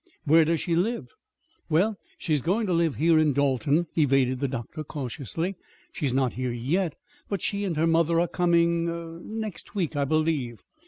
Where does she live?" "Well, she's going to live here in Dalton," evaded the doctor cautiously. "She's not here yet; but she and her mother are coming er next week, I believe.